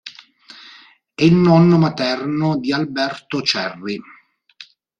È il nonno materno di Alberto Cerri.